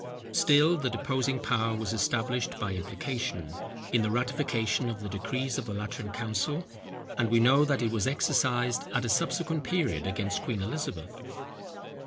Still the deposing power was established by implication, in the ratification of the decrees of the Lateran council; and we know that it was exercised at a subsequent period against Queen Elizabeth.